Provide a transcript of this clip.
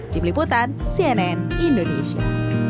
tim liputan cnn indonesia